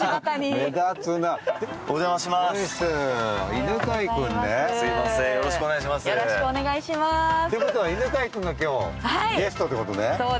犬飼君ね。ということは、犬飼君が今日ゲストってことね。